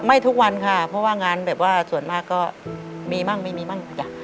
ทุกวันค่ะเพราะว่างานแบบว่าส่วนมากก็มีมั่งไม่มีบ้างจ้ะ